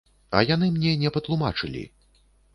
А яны мне не патлумачылі!